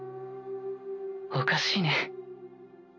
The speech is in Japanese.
おかしいね。